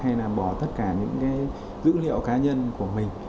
hay là bỏ tất cả những cái dữ liệu cá nhân của mình